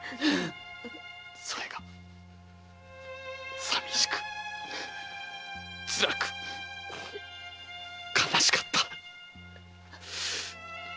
それが寂しくつらく悲しかった！